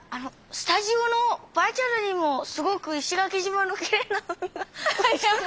スタジオのバーチャルにもすごく石垣島のきれいな海が。